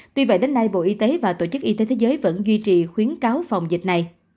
tuy vậy đến nay bộ y tế và tổ chức y tế thế giới vẫn duy trì khuyến cáo phòng dịch này